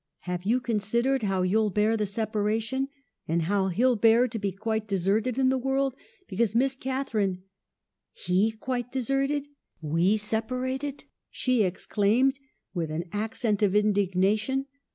Have you considered how you'll bear the sepa ration, and how he'll bear to be quite deserted in the world ? Because, Miss Catharine ...'"' He quite deserted ! we separated !' she ex claimed, with an accent of indignation.